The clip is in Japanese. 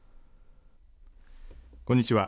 こんにちは。